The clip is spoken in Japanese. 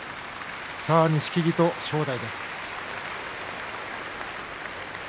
錦木と正代です。